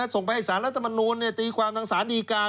ส่งไปให้สารรัฐมนูลตีความทางสารดีการ